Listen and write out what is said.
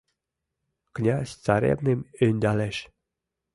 Князь царевным ӧндалеш